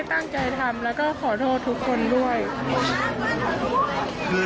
ใช่ค่ะทำคนเดียว